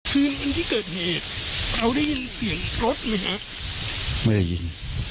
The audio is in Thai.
คืนวันที่เกิดเหตุเราได้ยินเสียงรถไหมฮะไม่ได้ยิน